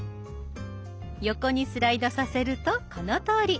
横にスライドさせるとこのとおり。